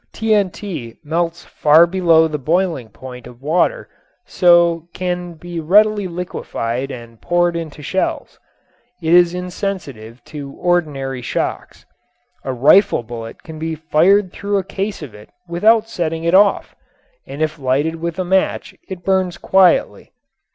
TNT melts far below the boiling point of water so can be readily liquefied and poured into shells. It is insensitive to ordinary shocks. A rifle bullet can be fired through a case of it without setting it off, and if lighted with a match it burns quietly.